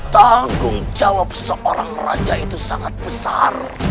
tanggung jawab seorang raja itu sangat besar